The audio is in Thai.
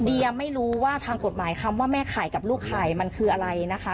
เดียไม่รู้ว่าทางกฎหมายคำว่าแม่ไข่กับลูกไข่มันคืออะไรนะคะ